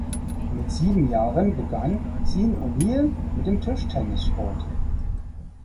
Mit sieben Jahren begann Sean O’Neill mit dem Tischtennissport.